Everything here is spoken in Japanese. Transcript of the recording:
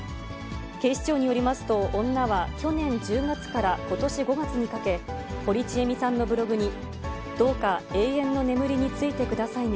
警視庁によりますと、女は去年１０月からことし５月にかけ、堀ちえみさんのブログに、どうか永遠の眠りについてくださいね。